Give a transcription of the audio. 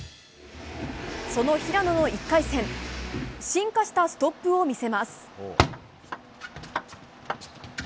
その平野の１回戦進化したストップを見せます。